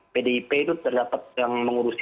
pdip itu terdapat yang mengurusi